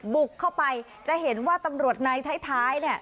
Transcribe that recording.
บุกเข้าไปจะเห็นว่าตำรวจในท้ายเนี่ย